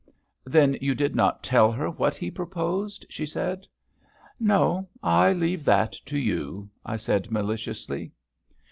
"Then you did not tell her what he proposed?" she said. "No, I leave that to you," I said, maliciously.